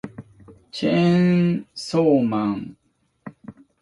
チェーンソーマン